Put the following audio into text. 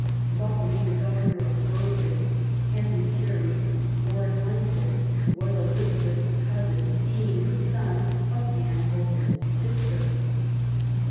Luckily the Governor of Berwick, Henry Carey, Lord Hunsdon, was Eliza beth's cousin, being the son of Anne Boleyn's sister.